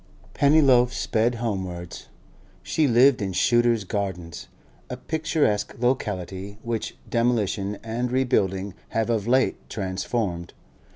Pennyloaf sped homewards. She lived in Shooter's Gardens, a picturesque locality which demolition and rebuilding have of late transformed.